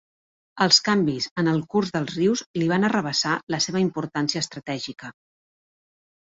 Els canvis en el curs dels rius li van arrabassar la seva importància estratègica.